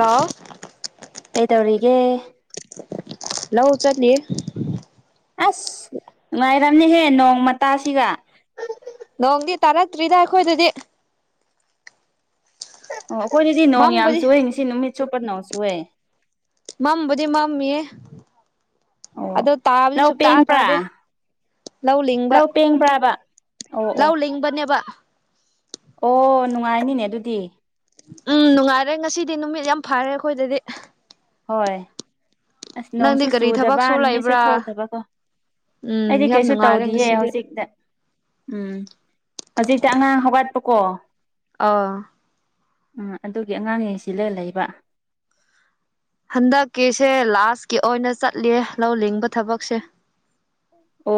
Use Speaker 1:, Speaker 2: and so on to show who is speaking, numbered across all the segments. Speaker 1: ꯂꯥꯛꯑꯣ
Speaker 2: ꯀꯩꯗꯧꯔꯤꯒꯦ
Speaker 1: ꯂꯧ ꯆꯠꯂꯤꯌꯦ
Speaker 2: ꯑꯁ ꯅꯨꯡꯉꯥꯏꯔꯝꯅꯦꯍꯦ ꯅꯣꯡ ꯃꯇꯥꯁꯤꯒ
Speaker 1: ꯅꯣꯡꯗꯤ ꯇꯥꯔꯛꯇ꯭ꯔꯤꯗ ꯑꯩꯈꯣꯏꯗꯗꯤ
Speaker 2: ꯑꯣ ꯑꯩꯈꯣꯏꯅꯗꯗꯤ ꯅꯣꯡ ꯌꯥꯝ
Speaker 1: ꯃꯝꯕꯨꯗꯤ
Speaker 2: ꯆꯨꯏ ꯉꯁꯤ ꯅꯨꯃꯤꯠ ꯆꯨꯞꯄ ꯅꯣꯡ ꯆꯨꯌꯦ꯫
Speaker 1: ꯃꯝꯕꯨꯗꯤ ꯃꯝꯃꯤꯌꯦ
Speaker 2: ꯑꯣ
Speaker 1: ꯑꯗꯣ ꯇꯥꯕꯗꯤ
Speaker 2: ꯂꯧ
Speaker 1: ꯁꯨꯛꯇ
Speaker 2: ꯄꯦꯡꯕ꯭ꯔꯥ
Speaker 1: ꯇꯥꯗꯦ ꯂꯧ ꯂꯤꯡꯕ
Speaker 2: ꯑꯣ ꯑꯣ
Speaker 1: ꯂꯧ ꯂꯤꯡꯕꯅꯦꯕ
Speaker 2: ꯑꯣ ꯅꯨꯡꯉꯥꯏꯅꯤꯅꯦ ꯑꯗꯨꯗꯤ
Speaker 1: ꯎꯝ ꯅꯨꯡꯉꯥꯏꯔꯦ ꯉꯁꯤꯗꯤ ꯅꯨꯃꯤꯠ ꯌꯥꯝ ꯐꯔꯦ ꯑꯩꯈꯣꯏꯗꯗꯤ
Speaker 2: ꯍꯣꯏ ꯑꯁ
Speaker 1: ꯅꯪꯗꯤ
Speaker 2: ꯅꯣꯡꯁꯨ
Speaker 1: ꯀꯔꯤ ꯊꯕꯛ
Speaker 2: ꯆꯨꯗꯕ
Speaker 1: ꯁꯨ
Speaker 2: ꯅꯨꯃꯤꯠꯁꯨ
Speaker 1: ꯂꯩꯕ꯭ꯔꯥ
Speaker 2: ꯊꯣꯛꯇꯕꯀꯣ
Speaker 1: ꯎꯝ
Speaker 2: ꯑꯩꯗꯤ
Speaker 1: ꯌꯥꯝ
Speaker 2: ꯀꯩꯁꯨ
Speaker 1: ꯅꯨꯡꯉꯥꯏꯔꯦ
Speaker 2: ꯇꯧꯗꯤꯌꯦ
Speaker 1: ꯉꯁꯤꯗꯤ
Speaker 2: ꯍꯧꯖꯤꯛꯇ ꯎꯝ ꯍꯧꯖꯤꯛꯇ ꯑꯉꯥꯡ ꯍꯧꯒꯠꯄꯀꯣ
Speaker 1: ꯑ
Speaker 2: ꯎꯝ ꯑꯗꯨꯒꯤ ꯑꯉꯥꯡ ꯌꯦꯡꯁꯤꯜꯂ ꯂꯩꯕ
Speaker 1: ꯍꯟꯗꯛꯀꯤꯁꯦ ꯂꯥꯁꯀꯤ ꯑꯣꯏꯅ ꯆꯠꯂꯤꯌꯦ ꯂꯧ ꯂꯤꯡꯕ ꯊꯕꯛꯁꯦ
Speaker 2: ꯑꯣ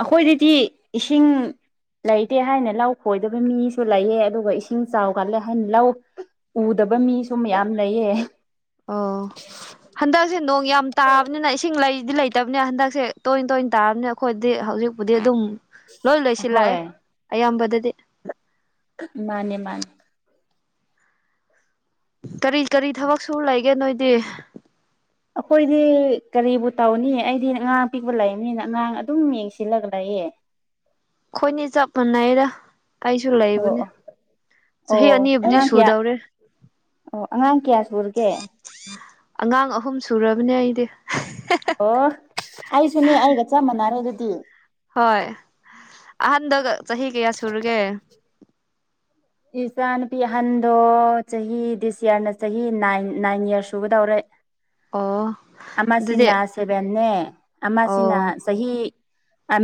Speaker 2: ꯑꯩꯈꯣꯏꯗꯗꯤ ꯏꯁꯤꯡ ꯂꯩꯇꯦ ꯍꯥꯏꯅ ꯂꯧ ꯈꯣꯏꯗꯕ ꯃꯤꯁꯨ ꯂꯩꯌꯦ ꯑꯗꯨꯒ ꯏꯁꯤꯡ ꯆꯥꯎꯒꯜꯂꯦ ꯍꯥꯏꯅ ꯂꯧ ꯎꯗꯕ ꯃꯤꯁꯨ ꯃꯌꯥꯝ ꯂꯩꯌꯦ
Speaker 1: ꯑꯣ ꯍꯟꯗꯛꯁꯦ ꯅꯣꯡ ꯌꯥꯝ ꯇꯥꯕꯅꯤꯅ ꯏꯁꯤꯡ ꯂꯩꯗꯤ ꯂꯩꯇꯕꯅꯤꯅ ꯍꯟꯗꯛꯁꯦ ꯇꯣꯏ ꯇꯣꯏꯅ ꯇꯥꯕꯅꯦꯕ ꯑꯩꯈꯣꯏꯗꯤ ꯍꯧꯖꯤꯛꯄꯨꯗꯤ ꯑꯗꯨꯝ ꯂꯣꯏ ꯂꯣꯏꯁꯤꯜꯂꯥꯛꯑꯦ
Speaker 2: ꯍꯣꯏ
Speaker 1: ꯑꯌꯥꯝꯕꯗꯗꯤ
Speaker 2: ꯃꯥꯅꯦ ꯃꯥꯅꯦ
Speaker 1: ꯀꯔꯤ ꯀꯔꯤ ꯊꯕꯛ ꯁꯨꯔꯥ ꯂꯩꯒꯦ ꯅꯣꯏꯗꯤ
Speaker 2: ꯑꯩꯈꯣꯏꯗꯤ ꯀꯔꯤꯕꯨ ꯇꯧꯅꯤ ꯑꯩꯗꯤ ꯑꯉꯥꯡ ꯑꯄꯤꯛꯄ ꯂꯩꯃꯤꯅ ꯑꯉꯥꯡ ꯑꯗꯨꯝ ꯌꯦꯡ ꯁꯤꯜꯂꯒ ꯂꯩꯌꯦ
Speaker 1: ꯑꯩꯈꯣꯏꯅꯤ ꯆꯞ ꯃꯥꯟꯅꯩꯗ ꯑꯩꯁꯨ
Speaker 2: ꯑꯣ
Speaker 1: ꯂꯩꯕꯅꯦ
Speaker 2: ꯑꯣ ꯑꯣ
Speaker 1: ꯆꯍꯤ ꯑꯅꯤꯕꯨꯗꯤ
Speaker 2: ꯑꯉꯥꯡ ꯀꯌꯥ
Speaker 1: ꯁꯨꯗꯧꯔꯦ
Speaker 2: ꯑꯣ ꯑꯉꯥꯡ ꯀꯌꯥ ꯁꯨꯔꯒꯦ
Speaker 1: ꯑꯉꯥꯡ ꯑꯍꯨꯝ ꯁꯨꯔꯕꯅꯦ ꯑꯩꯗꯤ
Speaker 2: ꯑꯣ ꯑꯩꯁꯨꯅꯦ ꯑꯩꯒ ꯆꯞ ꯃꯥꯟꯅꯔꯦ ꯑꯗꯨꯗꯤ
Speaker 1: ꯍꯣꯏ ꯑꯍꯟꯗꯣ ꯆꯍꯤ ꯀꯌꯥ ꯁꯨꯔꯒꯦ
Speaker 2: ꯏ ꯏꯆꯥ ꯅꯨꯨꯄꯤ ꯑꯍꯟꯗꯣ ꯆꯍꯤ ꯗꯤꯁ ꯌꯌꯥꯔꯅ ꯆꯍꯤ ꯅꯥꯏꯟ ꯅꯥꯏꯟ ꯏꯌꯥꯔ ꯁꯨꯕꯗꯧꯔꯦ
Speaker 1: ꯑꯣ ꯑꯗꯨꯗꯤ
Speaker 2: ꯑꯃꯁꯤꯅ ꯁꯦꯚꯦꯟꯅꯦ ꯑꯃꯁꯤꯅ
Speaker 1: ꯑꯣ
Speaker 2: ꯆꯍꯤ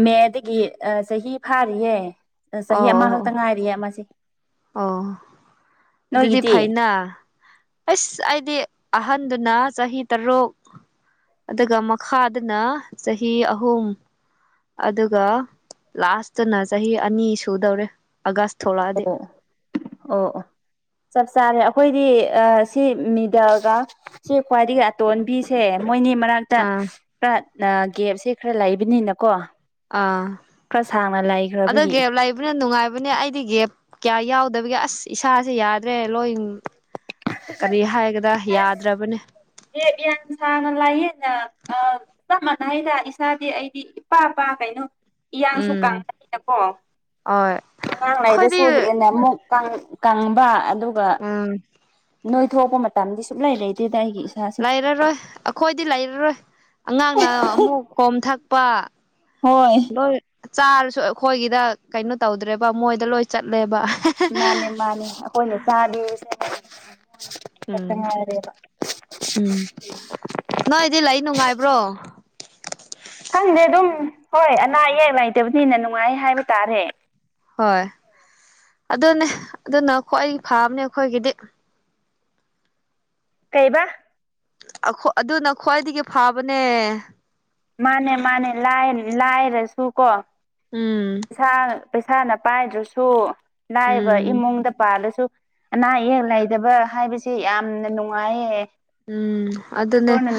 Speaker 2: ꯃꯦꯗꯒꯤ ꯆꯍꯤ ꯐꯥꯔꯤꯌꯦ ꯆꯍꯤ
Speaker 1: ꯑꯣ ꯑꯣ
Speaker 2: ꯑꯃꯈꯛꯇ ꯉꯥꯏꯔꯤꯌꯦ ꯑꯃꯁꯦ
Speaker 1: ꯑꯣ ꯑꯗꯨꯗꯤ
Speaker 2: ꯅꯣꯏꯒꯤꯗꯤ
Speaker 1: ꯐꯩꯅ ꯑꯁ ꯑꯩꯗꯤ ꯑꯍꯟꯗꯨꯅ ꯆꯍꯤ ꯇꯔꯨꯛ ꯑꯗꯨꯒ ꯃꯈꯥꯗꯨꯅ ꯆꯍꯤ ꯑꯍꯨꯝ ꯑꯗꯨꯒ ꯂꯥꯁꯇꯨꯅ ꯆꯍꯤ ꯑꯅꯤ ꯁꯨꯗꯧꯔꯦ ꯑꯥꯒꯁ ꯊꯣꯛꯂꯛꯑꯗꯤ
Speaker 2: ꯑꯣ ꯑꯣ ꯆꯞ ꯆꯥꯔꯦ ꯑꯩꯈꯣꯏꯗꯤ ꯁꯤ ꯃꯤꯗꯜꯒ ꯁꯤ ꯈ꯭ꯋꯥꯏꯗꯒꯤ ꯑꯇꯣꯟꯕꯤꯁꯦ ꯃꯣꯏꯅꯤ ꯃꯔꯛ
Speaker 1: ꯑꯥ
Speaker 2: ꯇ ꯒꯦꯞꯁꯦ ꯈꯔ ꯂꯩꯕꯅꯤꯅꯀꯣ
Speaker 1: ꯑꯥ
Speaker 2: ꯈꯔ ꯁꯥꯡꯅ
Speaker 1: ꯑꯗꯣ
Speaker 2: ꯂꯩꯈ꯭ꯔꯕꯒꯤ
Speaker 1: ꯒꯦꯞ ꯂꯩꯥꯕꯅ ꯅꯨꯡꯉꯥꯏꯕ ꯍꯥꯏꯕꯅꯦ ꯑꯩꯗꯤ ꯒꯦꯞ ꯀꯌꯥ ꯌꯥꯎꯗꯕꯒꯦ ꯑꯁ ꯏꯁꯥꯁꯦ ꯌꯥꯗ꯭ꯔꯦ ꯂꯣꯏ ꯀꯔꯤ ꯍꯥꯏꯒꯗ
Speaker 2: ꯑꯁ
Speaker 1: ꯌꯥꯗ꯭ꯔꯕꯅꯦ
Speaker 2: ꯒꯦꯞ ꯌꯥꯝ ꯁꯥꯡꯅ ꯂꯩꯥꯏꯌꯦꯅ ꯑ ꯆꯞ ꯃꯥꯟꯅꯩꯗ ꯏꯁꯥꯗꯤ ꯑꯩꯗꯤ ꯏꯄꯥꯄꯥ ꯀꯩꯅꯣ ꯏꯌꯥꯡꯁꯨ
Speaker 1: ꯎꯝ
Speaker 2: ꯀꯪꯅꯩꯗꯀꯣ
Speaker 1: ꯍꯣꯏ ꯑꯩꯈꯣꯏꯗꯤ
Speaker 2: ꯑꯉꯥꯡꯉꯩꯗꯁꯨ ꯍꯦꯟꯅ ꯑꯃꯨꯛ ꯀꯪꯕ ꯑꯗꯨꯒ
Speaker 1: ꯎꯝ
Speaker 2: ꯅꯣꯏ ꯊꯣꯛꯄ ꯃꯇꯝꯗꯤ ꯁꯨꯛꯂꯩ ꯂꯩꯇꯦꯗ ꯑꯩꯒꯤ ꯏꯁꯥꯁꯦ
Speaker 1: ꯂꯩꯔꯔꯣꯏ ꯑꯩꯈꯣꯏꯗꯤ ꯂꯩꯔꯔꯣꯏ ꯑꯉꯥꯡꯅ ꯑꯃꯨꯛ ꯈꯣꯝ ꯊꯛꯄ
Speaker 2: ꯍꯣꯏ
Speaker 1: ꯂꯣꯏ ꯆꯥꯔꯁꯨ ꯑꯩꯈꯣꯏꯒꯤꯗ ꯀꯩꯅꯣ ꯇꯧꯗ꯭ꯔꯦꯕ ꯃꯣꯏꯗ ꯂꯣꯏ ꯆꯠꯂꯦꯕ
Speaker 2: ꯃꯥꯅꯦ ꯃꯥꯅꯦ
Speaker 1: ꯎꯝ
Speaker 2: [unintelligible] ꯉꯥꯏꯔꯦꯕ
Speaker 1: ꯎꯝ ꯅꯣꯏꯗꯤ ꯂꯩ ꯅꯨꯡꯉꯥꯏꯕ꯭ꯔꯣ
Speaker 2: ꯈꯪꯗꯦ ꯑꯗꯨꯝ ꯍꯣꯏ ꯑꯅꯥ ꯑꯌꯦꯛ ꯂꯩꯇꯕꯅꯤꯅ ꯅꯨꯡꯉꯥꯏ ꯍꯥꯏꯕ ꯇꯥꯔꯦ
Speaker 1: ꯍꯣꯏ ꯑꯗꯨꯅꯦ ꯑꯗꯨꯅ ꯈ꯭ꯋꯥ ꯐꯥꯕꯅꯦ ꯑꯩꯈꯣꯏꯒꯤꯗꯤ
Speaker 2: ꯀꯩꯕ
Speaker 1: ꯑꯗꯨꯅ ꯈ꯭ꯋꯥꯏꯗꯒꯤ ꯐꯥꯕꯅꯦ
Speaker 2: ꯃꯥꯅꯦ ꯃꯥꯅꯦ ꯂꯥꯏ ꯂꯥꯏꯔꯦꯁꯨꯨ ꯀꯣ
Speaker 1: ꯎꯝ
Speaker 2: ꯄꯩꯥꯁ ꯄꯩꯁꯥꯅ ꯄꯥꯏꯗ꯭ꯔꯁꯨ ꯂꯥꯏꯕ
Speaker 1: ꯎꯝ
Speaker 2: ꯏꯃꯨꯡꯗ ꯄꯥꯜꯂꯁꯨ ꯑꯅꯥ ꯑꯌꯦꯛ ꯂꯩꯗꯕ ꯍꯥꯏꯕꯁꯦ ꯌꯥꯝꯅ ꯅꯨꯡꯉꯥꯏꯌꯦ
Speaker 1: ꯎꯝ ꯑꯗꯨꯅꯦ
Speaker 2: ꯏꯁꯣꯔꯅ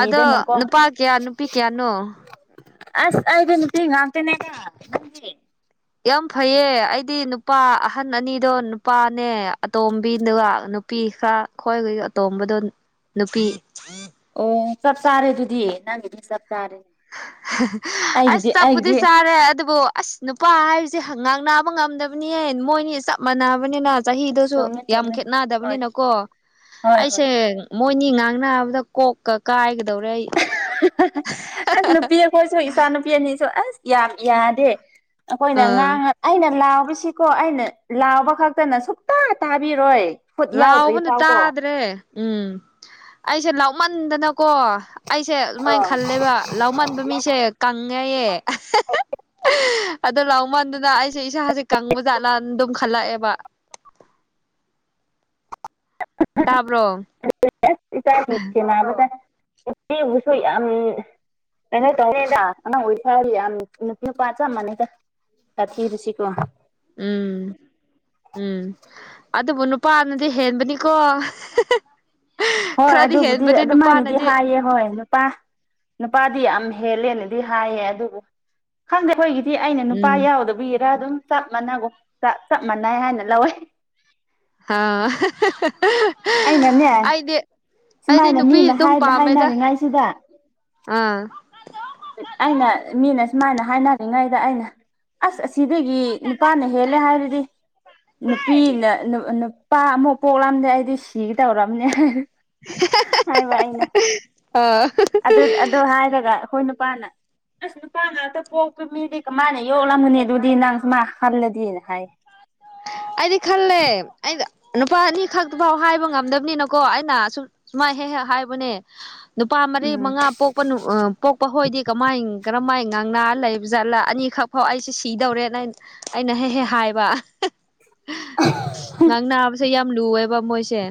Speaker 1: ꯑꯗꯣ ꯅꯨꯄꯥ ꯀꯌꯥ ꯅꯨꯄꯤ ꯀꯌꯥꯅꯣ
Speaker 2: ꯑꯁ ꯑꯩꯗꯤ ꯅꯨꯄꯤ ꯍ ꯉꯝꯇꯦꯅꯦ
Speaker 1: ꯌꯥꯝ ꯐꯩꯌꯦ ꯑꯩꯗꯤ ꯅꯨꯄꯥ ꯑꯍꯟ ꯑꯅꯤꯗꯣ ꯅꯨꯄꯥꯅꯦ ꯑꯇꯣꯝꯕꯤꯗꯨ ꯅꯨꯄꯤ ꯈꯔ ꯈꯣꯏ ꯑꯇꯣꯝꯕꯗꯣ ꯅꯨꯄꯤ [inaudible]
Speaker 2: ꯑꯣ ꯆꯞ ꯆꯥꯔꯦ ꯑꯗꯨꯗꯤ ꯅꯪꯒꯤꯗꯤ ꯆꯞ ꯆꯥꯔꯦ
Speaker 1: ꯑꯁ
Speaker 2: ꯑꯩꯒꯤꯗꯤ
Speaker 1: ꯆꯞꯄꯨꯗꯤ
Speaker 2: ꯑꯩꯒꯤꯗꯤ
Speaker 1: ꯆꯥꯔꯦ ꯑꯗꯨꯕꯨ ꯑꯁ ꯅꯨꯄꯥ ꯍꯥꯏꯕꯁꯤ ꯉꯥꯡ ꯅꯥꯕ ꯉꯝꯗꯕꯅꯤꯍꯦ ꯃꯣꯏꯅꯤ ꯆꯞ ꯃꯥꯟꯅꯕꯅꯤꯅ
Speaker 2: ꯑꯁ
Speaker 1: ꯆꯍꯤꯗꯨꯁꯨ
Speaker 2: ꯆꯨꯝꯃꯦ
Speaker 1: ꯌꯥꯝ
Speaker 2: ꯆꯨꯝꯃꯦ ꯍꯣꯏ
Speaker 1: ꯈꯦꯠꯅꯗꯕꯅꯤꯅꯀꯣ
Speaker 2: ꯍꯣꯏ ꯍꯣꯏ
Speaker 1: ꯑꯩꯁꯦ ꯃꯣꯏꯅꯤ ꯉꯥꯡꯅꯅꯕꯗ ꯀꯣꯛꯀ ꯀꯥꯏꯒꯗꯧꯔꯦ ꯑꯩ
Speaker 2: ꯑꯁ ꯅꯨꯄꯤ ꯑꯩꯈꯣꯏꯁꯨ ꯏꯆꯥ ꯅꯨꯄꯤ ꯑꯅꯤꯁꯨ ꯑꯁ ꯌꯥꯝ ꯌꯥꯗꯦ ꯑꯩꯈꯣꯏꯅ
Speaker 1: ꯑꯥ
Speaker 2: ꯉꯥꯡ ꯑꯩꯅ ꯂꯥꯎꯕꯁꯤꯀꯣ ꯑꯩꯅ ꯂꯥꯎꯕ ꯈꯛꯇꯅ ꯁꯨꯛꯇ ꯇꯥꯕꯤꯔꯣꯏ ꯈꯨꯠ ꯌꯥꯎꯗ꯭ꯔꯤ
Speaker 1: ꯂꯥꯎꯕꯗꯨ
Speaker 2: ꯐꯥꯎꯀꯣ
Speaker 1: ꯇꯥꯗ꯭ꯔꯦ ꯎꯝ ꯑꯩꯁꯦ ꯂꯥꯎꯃꯟꯗꯅꯀꯣ ꯑꯩꯁꯦ
Speaker 2: ꯑ
Speaker 1: ꯑꯗꯨꯃꯥꯏꯅ ꯈꯜꯂꯦꯕ ꯂꯧꯃꯟꯕ ꯃꯤꯁꯦ ꯀꯪꯉꯦꯌꯦ ꯑꯗꯣ ꯂꯥꯎꯃꯟꯗꯨꯅ ꯑꯩꯁꯦ ꯏꯁꯥꯁꯦ ꯀꯪꯕ ꯖꯥꯠꯂꯅ ꯑꯗꯨꯝ ꯈꯜꯂꯛꯑꯦꯕ ꯇꯥꯕ꯭ꯔꯣ
Speaker 2: [unintelligible] ꯏꯆꯦꯕꯨꯁꯨ ꯌꯥꯝ ꯅꯪꯅ ꯇꯔꯗꯅ ꯑꯣꯏꯊ ꯌꯥꯝ ꯅꯊꯌ ꯄꯆ ꯃꯅꯦ [unintelligible]
Speaker 1: ꯎꯝ ꯎꯝ ꯑꯗꯨꯕꯨ ꯅꯨꯄꯥꯅꯗꯤ ꯍꯦꯟꯕꯅꯤꯀꯣ
Speaker 2: ꯍꯣꯏ
Speaker 1: ꯈꯔꯗꯤ
Speaker 2: ꯑꯗꯨꯕꯨꯗꯤ
Speaker 1: ꯍꯦꯟꯕꯅꯦ
Speaker 2: ꯑꯗꯨꯃꯥꯏꯅꯗꯤ
Speaker 1: ꯅꯨꯄꯥꯅꯗꯤ
Speaker 2: ꯍꯥꯏꯌꯦ ꯍꯣꯏ ꯅꯨꯄꯥ ꯅꯨꯄꯥꯗꯤ ꯌꯥꯝ ꯍꯦꯜꯂꯦꯅꯗꯤ ꯍꯥꯏꯌꯦ ꯑꯗꯨꯕꯨ ꯈꯪꯗꯦ ꯑꯩꯈꯣꯏꯒꯤ ꯁꯤ ꯑꯩꯅ ꯅꯨꯄꯥ
Speaker 1: ꯎꯝ
Speaker 2: ꯌꯥꯎꯗꯕꯨ ꯏꯔꯥ ꯑꯗꯨꯝ ꯆꯞ ꯃꯥꯟꯅꯒꯣ ꯆꯞ ꯃꯥꯟꯅꯩ ꯍꯥꯏꯅ ꯂꯧꯋꯦ
Speaker 1: [unintelligible]
Speaker 2: ꯑꯩꯅꯅꯦ
Speaker 1: ꯑꯩꯗꯤ ꯑꯩꯗꯤ
Speaker 2: ꯁꯨꯃꯥꯏꯅ
Speaker 1: ꯅꯨꯄꯤ
Speaker 2: ꯃꯤꯅ
Speaker 1: ꯑꯗꯨꯝ ꯄꯥꯝꯃꯦꯗ
Speaker 2: ꯍꯥꯏꯅꯔꯤꯉꯩꯁꯤꯗ
Speaker 1: ꯑꯥ
Speaker 2: ꯑꯩꯅ ꯃꯤꯅ ꯁꯨꯃꯥꯏꯅ ꯍꯥꯏꯅꯔꯤꯉꯩꯗ ꯑꯩꯅ ꯑꯁ ꯑꯁꯤꯗꯒꯤ ꯅꯨꯄꯥꯅ ꯍꯦꯜꯂꯦ ꯍꯥꯏꯔꯗꯤ ꯅꯨꯄꯤꯅ ꯅꯨꯄꯥ ꯑꯃꯨꯛ ꯄꯣꯛꯂꯝꯑꯕꯅꯦ ꯑꯩꯗꯤ ꯁꯤꯒꯦ ꯇꯧꯔꯝꯅꯦ [unintelligible]
Speaker 1: ꯑꯥ
Speaker 2: ꯑꯗꯨ ꯑꯗꯨ ꯍꯥꯏꯗꯒ ꯍꯣꯏꯅꯨꯄꯥꯅ ꯑꯁ ꯅꯨꯄꯥ ꯉꯥꯛꯇ ꯄꯣꯛꯇ ꯃꯤꯗꯤ ꯀꯃꯥꯏꯅ ꯌꯣꯛꯂꯝꯒꯅꯤ ꯑꯗꯨꯗꯤ ꯅꯪꯁꯨ ꯃꯥ ꯍꯜꯂꯗꯤꯅ ꯍꯥꯏ
Speaker 1: ꯑꯩꯗꯤ ꯈꯜꯂꯦ ꯑꯩ ꯅꯨꯄꯥ ꯑꯅꯤ ꯈꯛꯇ ꯐꯥꯎ ꯍꯥꯏꯕ ꯉꯝꯗꯕꯅꯤꯅꯀꯣ ꯑꯩꯅ ꯁꯨꯝ ꯁꯨꯃꯥꯏ ꯍꯦꯛ ꯍꯦꯛ ꯍꯥꯏꯕꯅꯦ ꯅꯨꯄꯥ ꯃꯔꯤ
Speaker 2: ꯎꯝ
Speaker 1: ꯃꯉꯥ ꯄꯣꯛꯄ ꯎ ꯄꯣꯛꯄ ꯍꯣꯏꯗꯤ ꯀꯃꯥꯏ ꯀꯔꯝꯍꯥꯏꯅ ꯉꯥꯡꯅ ꯂꯩꯕ ꯖꯥꯠꯂꯥ ꯑꯅꯤꯈꯛ ꯐꯥꯎ ꯑꯩꯁꯦ ꯁꯤꯗꯧꯔꯦꯅ ꯑꯩꯅ ꯑꯩꯅ ꯍꯦꯛ ꯍꯦꯛ ꯍꯥꯏꯕ ꯉꯥꯡ ꯅꯥꯕꯁꯦ ꯌꯥꯝ ꯂꯨꯑꯦꯕ ꯃꯣꯏꯁꯦ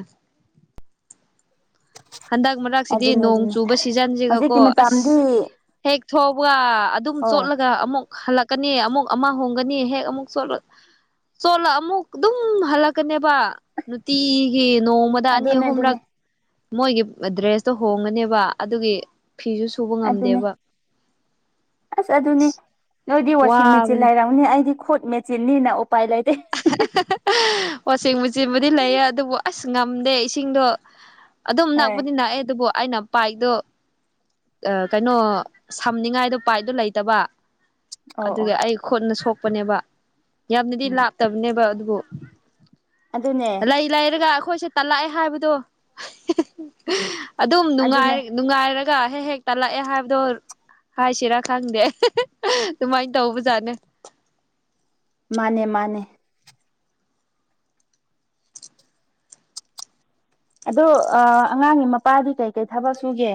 Speaker 1: ꯍꯟꯗꯛ ꯃꯔꯛꯁꯤꯗꯤ
Speaker 2: ꯑꯗꯨꯅꯦ
Speaker 1: ꯅꯣꯡ
Speaker 2: ꯑꯗꯨꯅꯦ
Speaker 1: ꯆꯨꯕ
Speaker 2: ꯍꯧꯖꯤꯛꯀꯤ
Speaker 1: ꯁꯤꯖꯟꯁꯤꯒꯀꯣ
Speaker 2: ꯃꯇꯝꯗꯤ
Speaker 1: ꯑꯁ ꯍꯦꯛ ꯊꯧꯕ ꯑꯗꯨꯝ
Speaker 2: ꯍꯣꯏ
Speaker 1: ꯆꯣꯠꯂꯒ ꯑꯃꯨꯛ ꯍꯜꯂꯛꯀꯅꯤ ꯑꯃꯨꯛ ꯑꯃ ꯍꯣꯡꯒꯅꯤ ꯍꯦꯛ ꯑꯃꯨꯛ ꯁꯣꯠ ꯆꯣꯠꯂ ꯑꯃꯨꯛ ꯑꯗꯨꯝ ꯍꯜꯂꯛꯀꯅꯦꯕ ꯅꯨꯡꯇꯤꯒꯤ ꯅꯣꯡꯃꯗ ꯑꯅꯤ
Speaker 2: ꯑꯗꯨꯅꯦ
Speaker 1: ꯑꯍꯨꯝꯔꯛ
Speaker 2: ꯑꯗꯨꯅꯦ
Speaker 1: ꯃꯣꯏꯒꯤ ꯗ꯭ꯔꯦꯁꯇꯣ ꯍꯣꯡꯒꯅꯦꯕ ꯑꯗꯨꯒꯤ ꯐꯤꯁꯨ ꯁꯨꯕ
Speaker 2: ꯑꯗꯨꯅꯦ
Speaker 1: ꯉꯝꯗꯦꯕ
Speaker 2: ꯑꯁ ꯑꯗꯨꯅꯤ ꯅꯣꯏꯗꯤ ꯋꯥꯁꯤꯡ
Speaker 1: ꯋꯥꯕꯅ
Speaker 2: ꯃꯦꯆꯤꯟ ꯂꯩꯔꯝ ꯑꯩꯗꯤ ꯈꯨꯠ ꯃꯦꯆꯤꯟꯅꯤꯅ ꯎꯄꯥꯏ ꯂꯩꯇꯦ
Speaker 1: ꯋꯥꯆꯁꯤꯡ ꯃꯆꯤꯟꯕꯨꯗꯤ ꯂꯩꯌꯦ ꯑꯗꯨꯕꯨ ꯑꯁ ꯉꯝꯗꯦ ꯏꯁꯤꯡꯗꯣ ꯑꯗꯨꯝ
Speaker 2: ꯍꯣꯏ
Speaker 1: ꯅꯛꯄꯗꯤ ꯅꯛꯑꯦ ꯑꯗꯨꯕꯨ ꯑꯩꯅ ꯄꯥꯏꯗꯣ ꯀꯩꯅꯣ ꯁꯝꯅꯤꯉꯥꯏꯗ ꯄꯥꯏꯠꯇꯣ ꯂꯩꯇꯕ
Speaker 2: ꯑꯣ
Speaker 1: ꯑꯗꯨꯒ
Speaker 2: ꯑꯣ
Speaker 1: ꯑꯩ ꯈꯨꯣꯟꯠꯅ ꯁꯣꯛꯄꯅꯦꯕ ꯌꯥꯝꯅꯗꯤ
Speaker 2: ꯎꯝ
Speaker 1: ꯂꯥꯞꯇꯕꯅꯦꯕ ꯑꯗꯨꯕꯨ
Speaker 2: ꯑꯗꯨꯅꯦ
Speaker 1: ꯑꯩ ꯂꯩꯔꯒ ꯑꯩꯈꯣꯏꯁꯦ ꯇꯂꯛꯑꯦ ꯍꯥꯏꯕꯗꯣ ꯑꯗꯨꯝ
Speaker 2: ꯑꯗꯨꯅꯦ
Speaker 1: ꯅꯨꯡꯉꯥꯏꯔ ꯅꯨꯡꯉꯥꯏꯔꯒ ꯍꯦꯛ ꯍꯦꯛ ꯇꯥꯜꯂꯛꯑꯦ ꯍꯥꯏꯕꯗꯣ ꯍꯥꯏꯁꯤꯔꯥ ꯈꯪꯗꯦ ꯑꯗꯨꯃꯥꯏꯅ ꯇꯧꯕꯖꯥꯠꯅ
Speaker 2: ꯃꯥꯅꯦ ꯃꯥꯅꯦ ꯑꯗꯣ ꯑꯉꯥꯡꯒꯤ ꯃꯄꯥꯗꯤ ꯀꯩ ꯀꯩ ꯊꯕꯛ ꯁꯨꯒꯦ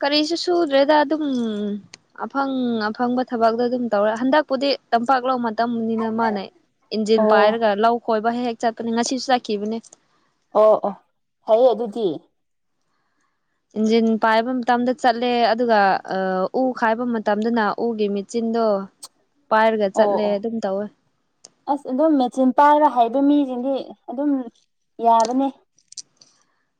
Speaker 1: ꯀꯔꯤꯁꯨ ꯁꯨꯗ꯭ꯔꯦꯗ ꯑꯗꯨꯝ ꯑꯐꯪ ꯑꯐꯪꯕ ꯊꯕꯛꯇꯣ ꯑꯗꯨꯝ ꯇꯧꯔꯦ ꯍꯟꯗꯛꯄꯨꯗꯤ ꯇꯝꯄꯥꯛꯂ ꯇꯝꯕꯅꯤꯅ ꯃꯥꯅ ꯏꯟꯖꯤꯟ
Speaker 2: ꯑꯣ
Speaker 1: ꯄꯥꯏꯔꯒ ꯂꯧ ꯈꯣꯏꯕ ꯍꯦꯛ ꯍꯦꯛ ꯆꯠꯄꯅꯦ ꯉꯁꯤꯁꯨ ꯆꯠꯈꯤꯕꯅꯦ
Speaker 2: ꯑꯣ ꯑꯣ ꯐꯩꯌꯦ ꯑꯗꯨꯗꯤ
Speaker 1: ꯏꯟꯖꯤꯟ ꯄꯥꯏꯕ ꯃꯇꯝꯗ ꯆꯠꯂꯦ ꯑꯗꯨꯒ ꯎ ꯈꯥꯏꯕ ꯃꯇꯝꯗꯅ ꯎꯒꯤ ꯃꯦꯆꯤꯟꯗꯣ ꯄꯥꯏꯔꯒ
Speaker 2: ꯑꯣ
Speaker 1: ꯆꯠꯂꯦ
Speaker 2: ꯑꯣ
Speaker 1: ꯑꯗꯨꯝ ꯇꯧꯋꯦ
Speaker 2: ꯑꯁ ꯑꯗꯨꯝ ꯃꯦꯆꯤꯟ ꯄꯥꯏꯕ ꯍꯥꯏꯕ ꯃꯤꯁꯤꯡꯗꯤ ꯑꯗꯨꯝ ꯌꯥꯕꯅꯦ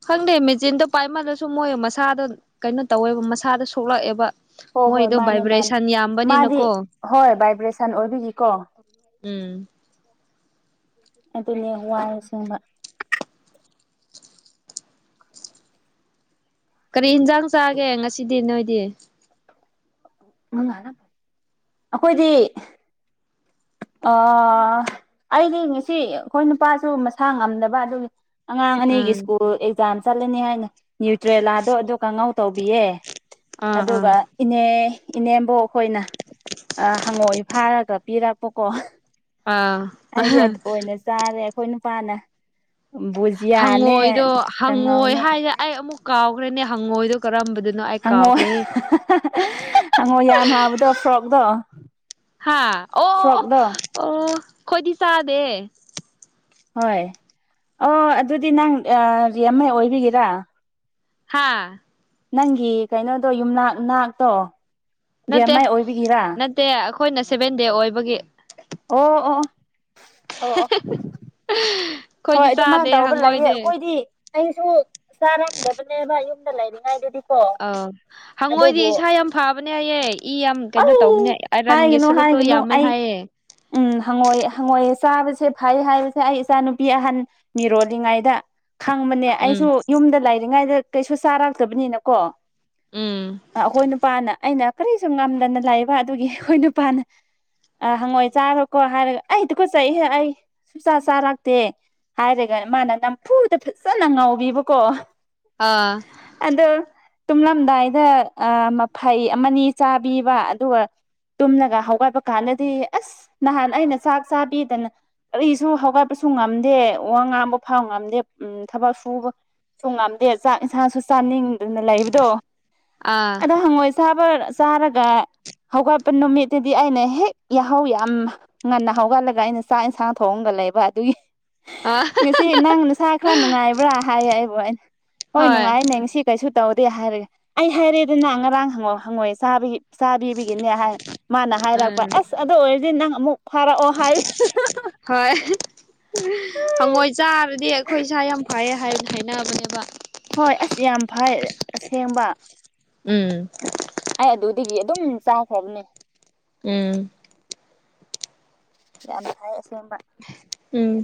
Speaker 1: ꯈꯪꯗꯦ ꯃꯦꯆꯤꯟꯗꯣ ꯄꯥꯏꯃꯜꯂꯁꯨ ꯃꯣꯏ ꯃꯁꯥꯗꯣ ꯀꯩꯅꯣ ꯇꯧꯋꯦꯕ ꯃꯁꯥꯗ ꯁꯣꯛꯂꯛꯑꯦꯕ
Speaker 2: ꯍꯣꯏ ꯍꯣꯏ
Speaker 1: ꯃꯣꯏꯗꯣ
Speaker 2: ꯃꯥꯅꯦ ꯃꯥꯅꯦ
Speaker 1: ꯚꯥꯏꯕ꯭ꯔꯦꯁꯟ
Speaker 2: ꯃꯥꯗꯤ
Speaker 1: ꯌꯥꯝꯕꯅꯤꯅꯀꯣ
Speaker 2: ꯍꯣꯏ ꯚꯥꯏꯕ꯭ꯔꯦꯁꯟ ꯑꯣꯏꯕꯤꯒꯤꯀꯣ
Speaker 1: ꯎꯝ
Speaker 2: ꯑꯗꯨꯅꯦ ꯋꯥꯏ ꯆꯤꯡꯕ
Speaker 1: ꯀꯔꯤ ꯏꯟꯖꯥꯡ ꯆꯥꯒꯦ ꯉꯁꯤꯗꯤ ꯅꯣꯏꯗꯤ
Speaker 2: ꯑꯩꯈꯣꯏꯗꯤ ꯑ ꯑꯩꯗꯤ ꯉꯁꯤ ꯑꯩꯈꯣꯏ ꯅꯨꯄꯥꯁꯨ ꯃꯁꯥ ꯉꯝꯗꯕ ꯑꯗꯨꯒꯤ ꯑꯉꯥꯡ ꯑꯅꯤꯒꯤ
Speaker 1: ꯎꯝ
Speaker 2: ꯁ꯭ꯀꯨꯜ ꯑꯦꯛꯖꯥꯝ ꯆꯠꯂꯅꯤ ꯍꯥꯏꯅ ꯅ꯭ꯌꯨꯇ꯭ꯔꯦꯂꯥꯗꯣ ꯑꯗꯨ ꯀꯉꯧ ꯇꯧꯕꯤꯌꯦ
Speaker 1: ꯑꯥ ꯑꯥ
Speaker 2: ꯑꯗꯨꯒ ꯏꯅꯦ ꯏꯅꯦꯕꫭꯛ ꯑꯩꯈꯣꯏꯅ ꯍꯪꯉꯣꯏ ꯐꯥꯔꯒ ꯄꯤꯔ ꯀꯣ ꯑꯩꯗꯤ
Speaker 1: ꯑꯥ
Speaker 2: ꯑꯗꯨ ꯑꯣꯏꯅ ꯆꯥꯔꯦ ꯑꯩꯈꯣꯏ ꯅꯨꯄꯥꯅ ꯕꯨꯖꯤꯌꯥꯅꯦ
Speaker 1: ꯍꯪꯉꯣꯏꯗꯣ ꯍꯪꯉꯣꯏ
Speaker 2: ꯀꯉꯥꯎꯅꯦ
Speaker 1: ꯍꯥꯏꯁꯦ ꯑꯩ ꯑꯃꯨꯛ ꯀꯥꯎꯈ꯭ꯔꯦꯅꯦ ꯍꯪꯉꯣꯏꯗ ꯀꯔꯝꯕꯗꯨꯅꯣ ꯑꯩ
Speaker 2: ꯍꯪꯉꯣ
Speaker 1: ꯀꯥꯎꯈ꯭ꯔꯦ
Speaker 2: ꯍꯪꯉꯣ ꯌꯥꯝ ꯍꯥꯕꯗꯣ ꯐꯣꯔꯣꯛꯇꯣ
Speaker 1: ꯍꯥꯥ ꯑꯣ ꯑꯣ ꯑꯣ ꯈꯣꯏꯗꯤ ꯆꯥꯗꯦ
Speaker 2: ꯍꯣꯏ ꯑꯣ ꯑꯗꯨꯗꯤ ꯅꯪ ꯔꯤꯌꯦꯝꯃꯩ ꯑꯣꯏꯕꯤꯒꯦꯔꯥ
Speaker 1: ꯍꯥꯥ
Speaker 2: ꯅꯪꯒꯤ ꯀꯩꯅꯣꯗꯣ ꯌꯨꯝꯅꯥꯛ ꯅꯥꯛꯇꯣ
Speaker 1: ꯅꯠꯇꯦ
Speaker 2: ꯗꯤꯌꯥꯃꯥꯏ ꯑꯣꯏꯕꯤꯒꯤꯔꯥ
Speaker 1: ꯅꯠꯇꯦ ꯑꯩꯈꯣꯏꯅ ꯁꯦꯚꯦꯟ ꯗꯦ ꯑꯣꯏꯕꯒꯤ
Speaker 2: ꯑꯣ ꯑꯣ ꯑꯣ ꯑꯣ ꯍꯣꯏ
Speaker 1: ꯑꯩꯈꯣꯏꯗꯤ
Speaker 2: ꯑꯗꯨ
Speaker 1: ꯆꯥꯗꯦ
Speaker 2: ꯃꯥꯅ ꯇꯧꯕ ꯂꯩꯌꯦ
Speaker 1: ꯍꯪꯉꯣꯏꯗꯤ
Speaker 2: ꯑꯩꯈꯣꯏꯗꯤ ꯑꯩꯁꯨ ꯆꯥꯔꯝꯗꯕꯅꯦꯕ ꯌꯨꯝꯗ ꯂꯩꯔꯤꯉꯩꯗꯗꯤ
Speaker 1: ꯑꯥ ꯍꯪꯉꯣꯏꯗꯤ ꯏꯁꯥ ꯌꯥꯝ ꯐꯕꯅꯦ ꯍꯥꯏꯌꯦꯏ ꯏ ꯌꯥꯝ ꯀꯩꯅꯣ ꯇꯧꯕꯅꯦ
Speaker 2: ꯑꯩ
Speaker 1: ꯑꯥꯏꯔꯟꯒꯤ
Speaker 2: ꯍꯥꯏꯒꯅꯨ
Speaker 1: ꯁꯔꯨꯛꯇꯣ
Speaker 2: ꯍꯥꯏꯒꯅꯨ
Speaker 1: ꯌꯥꯝꯃꯦ
Speaker 2: ꯑꯩ
Speaker 1: ꯍꯥꯏꯌꯦ
Speaker 2: ꯎꯝ ꯍꯪꯉꯣꯏꯑ ꯍꯪꯉꯣꯏꯑꯦ ꯆꯥꯕꯁꯦ ꯐꯩ ꯍꯥꯏꯕꯁꯦ ꯑꯩ ꯏꯆꯥꯅꯨꯄꯤ ꯅꯨꯄꯤ ꯑꯍꯟ ꯃꯤꯔꯣꯜꯂꯤꯉꯩꯗ ꯈꯪꯕꯅꯦ
Speaker 1: ꯎꯝ
Speaker 2: ꯑꯩꯁꯨ ꯌꯨꯝꯗ ꯂꯩꯔꯤꯉꯩꯗ ꯀꯩꯁꯨ ꯆꯥꯔꯛꯇꯕꯅꯤꯅꯀꯣ
Speaker 1: ꯎꯝ
Speaker 2: ꯑꯩꯈꯣꯏ ꯅꯨꯄꯥꯅ ꯑꯩꯅ ꯀꯔꯤꯁꯨ ꯉꯥꯝꯗꯅ ꯂꯩꯕ ꯑꯗꯨꯒꯤ ꯑꯩꯈꯣꯏ ꯅꯨꯄꯥꯅ ꯑ ꯍꯪꯉꯣꯏ ꯆꯥꯈ꯭ꯔꯀꯣ ꯍꯥꯏꯔꯒ ꯑꯩ ꯇꯨꯒꯥꯠꯆꯩ ꯑꯩ ꯁꯨꯡꯆꯥ ꯆꯥꯔ ꯗꯦ ꯍꯥꯏꯔꯒ ꯃꯥꯅ ꯅꯝꯐꯨꯗ ꯐꯖꯅ ꯉꯥꯎꯕꯤꯕꯀꯣ
Speaker 1: ꯑꯥ
Speaker 2: ꯑꯗ ꯇꯨꯝꯂꯝꯗꯥꯏꯗ ꯑ ꯃꯐꯩ ꯑꯃꯅꯤ ꯆꯥꯕꯤꯕ ꯑꯗꯨꯒ ꯇꯨꯝꯂꯒ ꯍꯒꯥꯏꯕ ꯀꯥꯟꯗꯗꯤ ꯑꯁ ꯅꯍꯥꯟ ꯑꯩꯅ ꯆꯥꯛ ꯆꯥꯕꯤꯗꯅ ꯀꯔꯤꯁꯨ ꯍꯧꯒ ꯆꯄꯁꯨ ꯉꯝꯗꯦ ꯋꯥ ꯉꯥꯡꯕ ꯐꯥꯎ ꯉꯝꯗꯦ ꯎ ꯊꯕꯛ ꯁꯨꯕ ꯁ ꯉꯝꯗꯦ ꯆꯥꯛ ꯏꯟꯁꯥꯡꯁꯨ ꯆꯥꯅꯤꯡꯗꯅ ꯂꯩꯕꯗꯣ
Speaker 1: ꯑꯥ
Speaker 2: ꯑꯗꯣ ꯍꯪꯉꯣꯏꯁ ꯕ ꯆꯥꯔꯒ ꯍꯧꯒꯠꯄ ꯅꯨꯃꯤꯠꯇꯨꯗꯤ ꯑꯩꯅ ꯍꯦꯛ ꯌꯥꯍꯧ ꯌꯥꯝ ꯉꯟꯅ ꯍꯧꯒꯠꯂꯒ ꯑꯩꯅ ꯆꯥꯛ ꯏꯟꯁꯥꯡ ꯊꯣꯡꯑꯒ ꯂꯩꯕ ꯑꯗꯨꯒꯤ
Speaker 1: ꯑꯥ
Speaker 2: ꯉꯁꯤ ꯅꯪ ꯅꯁꯥ ꯈꯔ ꯅꯨꯡꯉꯥꯏꯕ꯭ꯔꯥ ꯍꯥꯏꯌꯦ ꯑꯩꯕꯨ ꯑꯩꯅ ꯍꯣꯏ ꯅꯨꯡꯉꯥꯏꯅꯦ ꯉꯁꯤ ꯀꯩꯁꯨ ꯇꯧꯗꯦ ꯍꯥꯏꯔꯒꯦ ꯑꯩ ꯍꯥꯏꯔꯦꯗ ꯅꯍ ꯉꯔꯥꯡ ꯍꯪꯉꯛꯑꯣ ꯍꯪꯉꯣꯏꯦ ꯆꯥ ꯄꯤꯕꯒꯤꯅꯦ ꯍꯥꯏ ꯃꯥꯅ ꯍꯥꯏꯔꯛꯄ
Speaker 1: ꯎꯝ
Speaker 2: ꯑꯁ ꯑꯗꯨ ꯑꯣꯏꯔꯗꯤ ꯅꯪ ꯑꯃꯨꯛ ꯐꯥꯔꯛꯑꯣ ꯍꯥꯏꯑ
Speaker 1: ꯍꯣꯏ ꯍꯪꯉꯣꯏ ꯆꯥꯕꯗꯤ ꯑꯩꯈꯣꯏ ꯏꯁꯥ ꯌꯥꯝ ꯐꯩꯌꯦ ꯍꯥꯏꯕꯅꯤ ꯍꯥꯏꯅꯕꯅꯦꯕ
Speaker 2: ꯍꯣꯏ ꯑꯁ ꯌꯥꯝ ꯐꯩ ꯑꯁꯦꯡꯕ
Speaker 1: ꯎꯝ
Speaker 2: ꯑꯩ ꯑꯗꯨꯗꯒꯤ ꯑꯗꯨꯝ ꯆꯥꯈ꯭ꯔꯕꯅꯦ
Speaker 1: ꯎꯝ
Speaker 2: ꯌꯥꯝꯁꯕ
Speaker 1: ꯎꯝ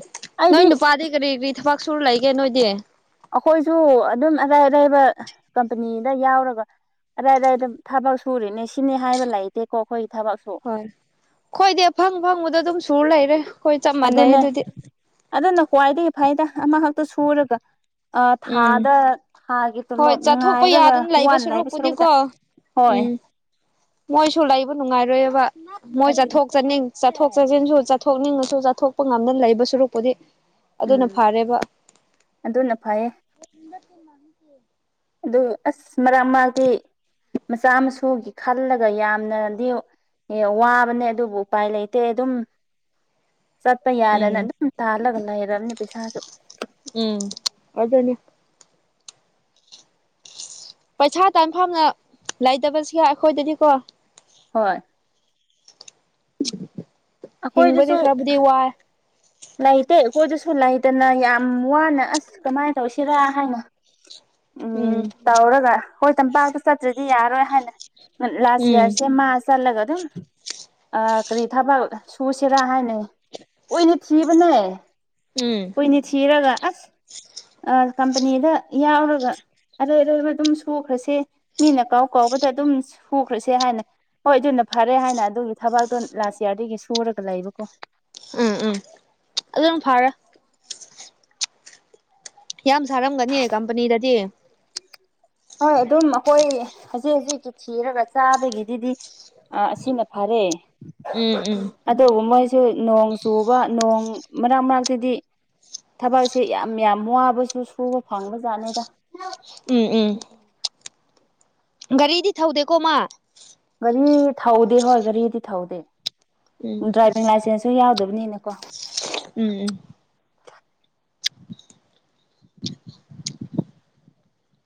Speaker 1: ꯅꯣꯏ ꯅꯨꯄꯥꯗꯤ ꯀꯔꯤ ꯀꯔꯤ ꯊꯕꯛ ꯁꯨꯔ ꯂꯩꯒꯦ ꯅꯣꯏꯗꯤ
Speaker 2: ꯑꯩꯈꯣꯏꯁꯨ ꯑꯗꯨꯝ ꯑꯔꯥꯏ ꯑꯔꯥꯏꯕ ꯀꯝꯄꯅꯤꯗ ꯌꯥꯎꯔꯒ ꯑꯗꯩ ꯑꯗꯩ ꯑꯗꯨꯝ ꯊꯕꯛ ꯁꯨꯔꯤꯅꯦ ꯁꯤꯅꯤ ꯍꯥꯏꯕ ꯂꯩꯇꯦꯀꯣ ꯑꯩꯈꯣꯏꯒꯤ ꯊꯕꯛꯁꯨ
Speaker 1: ꯍꯣꯏ ꯈꯣꯏꯗꯤ ꯑꯐꯪ ꯐꯪꯕꯗ ꯑꯗꯨꯝ ꯁꯨꯔ ꯂꯩꯔꯦ ꯆꯞ ꯃꯥꯟꯅꯩ
Speaker 2: ꯑꯗꯨꯅꯦ
Speaker 1: ꯑꯗꯨꯗꯤ
Speaker 2: ꯑꯗꯨꯅ ꯈ꯭ꯋꯥꯏꯗꯒꯤ ꯐꯥꯏꯗ ꯑꯃꯈꯛꯇ ꯁꯨꯔꯒ
Speaker 1: ꯎꯝ
Speaker 2: ꯊꯥꯗ ꯊꯥꯒꯤ
Speaker 1: ꯍꯣꯏ
Speaker 2: ꯇꯣꯂꯣꯞ
Speaker 1: ꯆꯠꯊꯣꯛꯄ
Speaker 2: ꯉꯥꯏꯔꯒ
Speaker 1: ꯌꯥꯗꯅ
Speaker 2: ꯋꯥ
Speaker 1: ꯂꯩꯕ
Speaker 2: ꯋꯥꯟ ꯂꯥꯏꯕ ꯁꯂꯨꯕꯨꯗ
Speaker 1: ꯁꯔꯨꯛꯄꯨꯗꯤꯀꯣ ꯎꯝ ꯃꯣꯏꯁꯨ ꯂꯩꯕ ꯅꯨꯡꯉꯥꯏꯔꯣꯏꯑꯕ ꯃꯣꯏ
Speaker 2: ꯑꯗꯨꯅꯦ
Speaker 1: ꯆꯠꯊꯣꯛ ꯆꯠꯅꯤꯡ ꯆꯠꯊꯣꯛ ꯆꯠꯁꯤꯟꯁꯨ ꯆꯠꯊꯣꯛꯅꯤꯡꯉꯁꯨ ꯆꯠꯊꯣꯛꯄ ꯉꯝꯗꯅ ꯂꯩꯕ ꯁꯨꯔꯨꯛꯄꯨꯗꯤ ꯑꯗꯨꯅ
Speaker 2: ꯎꯝ
Speaker 1: ꯐꯔꯦꯕ
Speaker 2: ꯑꯗꯨꯅ ꯐꯩꯌꯦ
Speaker 1: [unintelligible] [inaudible]
Speaker 2: ꯑꯗꯨ ꯑꯁ ꯃꯔꯛ ꯃꯔꯛꯇꯤ ꯃꯆꯥ ꯃꯁꯨꯒꯤ ꯈꯜꯂꯒ ꯌꯥꯝꯅꯗꯤ ꯑꯦ ꯋꯥꯕꯅꯦ ꯑꯗꯨꯕꯨ ꯎꯄꯥꯏ ꯂꯩꯇꯦ ꯑꯗꯨꯝ
Speaker 1: [inaudible]
Speaker 2: ꯆꯠꯄ ꯌꯥꯗꯅ
Speaker 1: ꯎꯝ
Speaker 2: ꯑꯗꯨꯝ ꯇꯥꯜꯂꯒ ꯂꯩꯔꯕꯅꯦ ꯄꯩꯁꯥꯁꯨ
Speaker 1: ꯎꯝ ꯑꯗꯨꯗꯅꯦ ꯄꯩꯁꯥ ꯇꯥꯟꯐꯝꯅ ꯂꯩꯇꯕꯕꯁꯤꯒ ꯑꯩꯈꯣꯏꯗꯗꯤꯀꯣ
Speaker 2: ꯍꯣꯏ
Speaker 1: ꯍꯤꯡꯕꯗꯤ
Speaker 2: ꯑꯩꯈꯣꯏꯗꯁꯨ
Speaker 1: ꯈꯔꯕꯨꯗꯤ ꯋꯥꯏ
Speaker 2: ꯂꯩꯇꯦ ꯑꯩꯈꯣꯏꯗꯨꯁꯨ ꯂꯩꯗꯅ ꯌꯥꯝ ꯋꯥꯅ ꯑꯁ ꯀꯃꯥꯏꯅ ꯇꯧꯁꯤꯔꯥ ꯍꯥꯏꯅ
Speaker 1: ꯎꯝ
Speaker 2: ꯇꯧꯔꯒ ꯍꯣꯏ ꯇꯝꯄꯥꯛꯇ ꯆꯠꯇ꯭ꯔꯗꯤ ꯌꯥꯔꯣꯏ ꯍꯥꯏꯅ ꯂꯥꯁ
Speaker 1: ꯎꯝ
Speaker 2: ꯌꯔꯁꯦ ꯃꯥꯔꯁ ꯆꯠꯂꯒ ꯑꯗꯨꯝ ꯀꯔꯤ ꯊꯕꯛ ꯁꯨꯁꯤꯔꯥ ꯍꯥꯏꯅ ꯑꯣ ꯏꯅꯤ ꯆꯤꯕꯅꯥꯏ
Speaker 1: ꯎꯝ
Speaker 2: ꯀꯨꯏꯅ ꯊꯤꯔꯒ ꯑꯁ ꯑ ꯀꯝꯄꯅꯤꯗ ꯌꯥꯎꯒ ꯑꯔꯩ ꯑꯔꯩꯕ ꯑꯗꯨꯝ ꯁꯨꯈ꯭ꯔꯁꯦ ꯃꯤꯅ ꯀꯥꯎ ꯀꯥꯎꯕꯗ ꯑꯗꯨꯝ ꯁꯨꯈ꯭ꯔꯁꯦ ꯍꯥꯏꯅ ꯍꯣꯏ ꯑꯗꯨꯅ ꯐꯔꯦ ꯍꯥꯏꯅ ꯑꯗꯨꯒꯤ ꯊꯕꯥꯛꯇꯣ ꯂꯥꯁ ꯏꯌꯥꯔꯗꯒꯤ ꯁꯨꯔꯒ ꯂꯩꯕꯀꯣ
Speaker 1: ꯑꯗꯨꯝ ꯐꯥꯔꯦ ꯌꯥꯝ ꯁꯥꯔꯝꯒꯅꯤ ꯀꯝꯄꯅꯤꯗꯗꯤ
Speaker 2: ꯍꯣꯏ ꯑꯗꯨꯝ ꯑꯩꯈꯣꯏ ꯍꯧꯖꯤꯛ ꯍꯧꯖꯤꯛꯀꯤ ꯊꯤꯔꯒ ꯆꯥꯕꯒꯤꯗꯨꯗꯤ ꯑ ꯑꯁꯤꯅ ꯐꯔꯦ
Speaker 1: ꯎꯝ ꯎꯝ
Speaker 2: ꯑꯗꯨꯕꯨ ꯃꯣꯏꯁꯨ ꯅꯣꯡ ꯆꯨ ꯅꯣꯡ ꯃꯅꯥꯛ ꯃꯅꯥꯛꯇꯗꯤ ꯊꯕꯛꯁꯦ ꯌꯥꯝ ꯌꯥꯝ ꯋꯥꯕꯁꯨ ꯁꯨꯕ ꯐꯪꯕ ꯖꯥꯠꯅꯤꯗ
Speaker 1: ꯎꯝ ꯎꯝ ꯒꯥꯔꯤꯗꯤ ꯊꯧꯗꯦꯀꯣ ꯃꯥ
Speaker 2: ꯒꯥꯔꯤ ꯊꯧꯗꯦ ꯍꯣꯏ ꯒꯥꯔꯤꯗꯤ ꯊꯧꯗꯦ
Speaker 1: ꯎꯝ
Speaker 2: ꯗ꯭ꯔꯥꯏꯚꯤꯡ ꯂꯥꯏꯁꯦꯟꯁꯁꯨ ꯌꯥꯎꯗꯕꯅꯤꯅꯦꯀꯣ
Speaker 1: ꯎꯝ [inaudible]